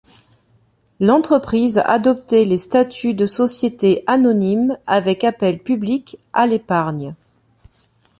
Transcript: L'entreprise a adopté les statuts de société anonyme avec appel public à l'épargne.